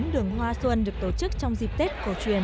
bốn đường hoa xuân được tổ chức trong dịp tết cổ truyền